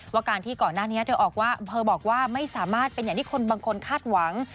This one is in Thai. การที่ก่อนหน้านี้เธอออกว่าอำเภอบอกว่าไม่สามารถเป็นอย่างที่คนบางคนคาดหวัง